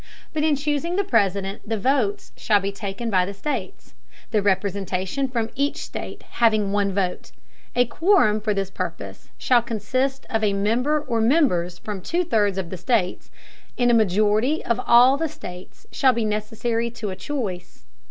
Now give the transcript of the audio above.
But in chusing the President, the Votes shall be taken by States, the Representation from each State having one Vote; A quorum for this Purpose shall consist of a Member or Members from two thirds of the States, and a Majority of all the States shall be necessary to a Choice.